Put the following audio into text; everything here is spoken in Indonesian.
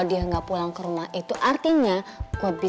semoga anak macchaul itu tetap ngambek